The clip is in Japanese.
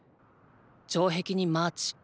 城壁にマーチ。